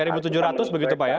rp satu tujuh ratus begitu pak ya